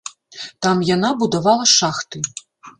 Там яна будавала шахты.